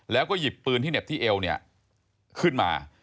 แล้วก็หยิบปืนที่เหน็บที่เอวเนี่ยขึ้นมา